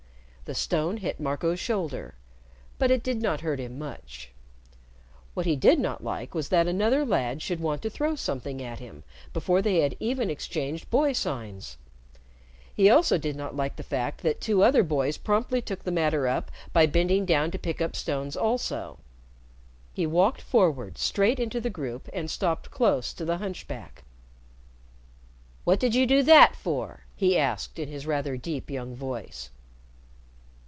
The stone hit Marco's shoulder, but it did not hurt him much. What he did not like was that another lad should want to throw something at him before they had even exchanged boy signs. He also did not like the fact that two other boys promptly took the matter up by bending down to pick up stones also. He walked forward straight into the group and stopped close to the hunchback. "What did you do that for?" he asked, in his rather deep young voice.